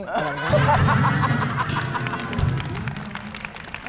ก็ไม่ได้